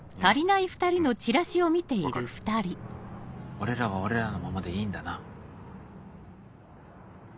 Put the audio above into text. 俺らは俺らのままでいいんだな。